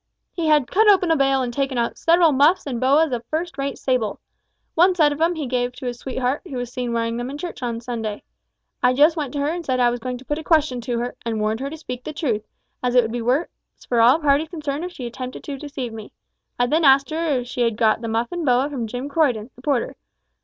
He had cut open a bale and taken out several muffs and boas of first rate sable. One set of 'em he gave to his sweetheart, who was seen wearing them in church on Sunday. I just went to her and said I was going to put a question to her, and warned her to speak the truth, as it would be worse for all parties concerned if she attempted to deceive me. I then asked her if she had got the muff and boa from Jim Croydon, the porter.